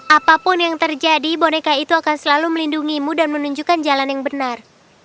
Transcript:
apapun yang terjadi boneka itu akan selalu melindungimu dan menunjukkan jalan yang benar